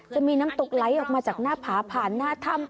จะมีน้ำตกไหลออกมาจากหน้าผาผ่านหน้าถ้ำ